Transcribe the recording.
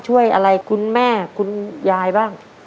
ช่วยอะไรคุณแม่คุณยายบ้าง